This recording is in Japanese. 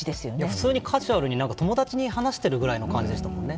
普通にカジュアルに友達に話してるぐらいの感じでしたもんね。